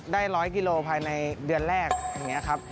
ได้๑๐๐กิโลภายในเดือนแรกอย่างนี้ครับ